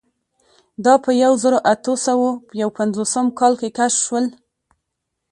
دا په یوه زرو اتو سوو یو پنځوسم کال کې کشف شول.